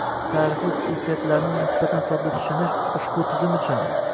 tarixiy xususiyatlarini nisbatan sodda tushunish, ushbu tizim uchun